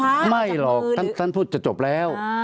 ตั้งแต่เริ่มมีเรื่องแล้ว